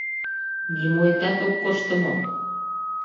Нимоэтат ок кортшо мо?